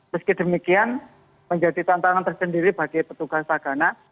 meski demikian menjadi tantangan tersendiri bagi petugas sagana